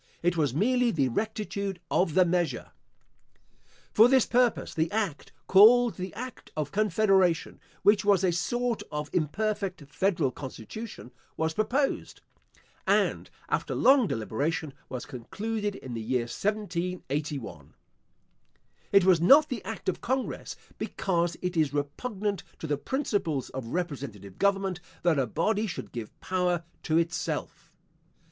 It was merely the rectitude of the measure. For this purpose, the act, called the act of confederation (which was a sort of imperfect federal constitution), was proposed, and, after long deliberation, was concluded in the year 1781. It was not the act of congress, because it is repugnant to the principles of representative government that a body should give power to itself.